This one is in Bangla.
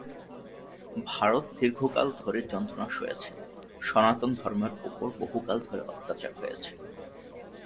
ভারত দীর্ঘকাল ধরে যন্ত্রণা সয়েছে, সনাতন ধর্মের ওপর বহুকাল ধরে অত্যাচার হয়েছে।